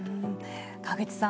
河口さん